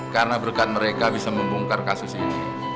karena berkat mereka bisa membongkar kasus ini